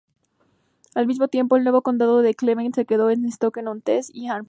Al mismo tiempo, el nuevo condado de Cleveland se quedó con Stockton-on-Tees y Hartlepool.